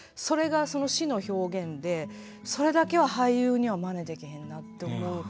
それが死の表現でそれだけは俳優にはまねできへんなと思う